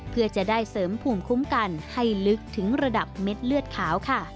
เพื่อจะได้เสริมภูมิคุ้มกันให้ลึกถึงระดับเม็ดเลือดขาวค่ะ